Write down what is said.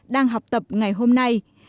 đang học tập ngày hôm nay